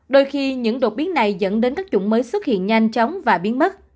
đôi khi những đột biến này dẫn đến các chủng mới xuất hiện nhanh chóng và biến mất